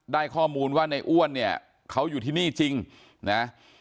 ได้ข้อมูลว่าในอ้วนเนี่ยเขาอยู่ที่นี่จริงนะ